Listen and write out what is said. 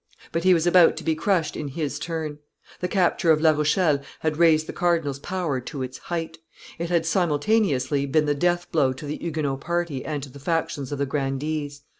But he was about to be crushed in his turn. The capture of La Rochelle had raised the cardinal's power to its height; it had, simultaneously, been the death blow to the Huguenot party and to the factions of the grandees.